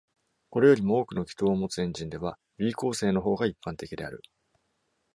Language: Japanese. これよりも多くの気筒を持つエンジンでは、ヴィー構成の方が一般的である。